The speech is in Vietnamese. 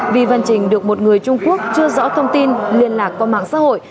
vi văn trình được một người trung quốc chưa rõ thông tin liên lạc qua mạng xã hội